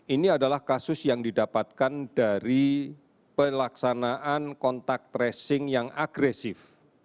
ini adalah kasus yang didapatkan dari pelaksanaan kontak tracing yang agresif